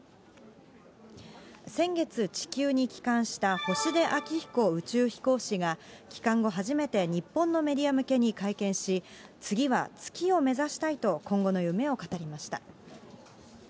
先月、地球に帰還した星出彰彦宇宙飛行士が、帰還後初めて、日本のメディア向けに会見し、次は月を目指したいと今後の夢を語りました。